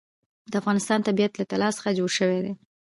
د افغانستان طبیعت له طلا څخه جوړ شوی دی.